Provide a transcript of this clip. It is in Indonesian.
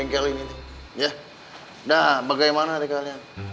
nah bagaimana nih kalian